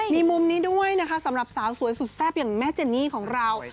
มีมุมนี้ด้วยนะคะสำหรับสาวสวยสุดแซ่บอย่างแม่เจนี่ของเรา